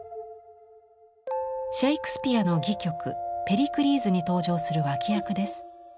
シェークスピアの戯曲「ペリクリーズ」に登場する脇役です。